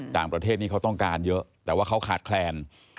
ต่างประเทศนี้เขาต้องการเยอะแต่ว่าเขาขาดแคลน